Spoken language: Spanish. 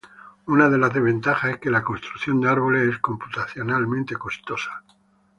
Una de las desventajas es que la construcción de árboles es computacionalmente costosa.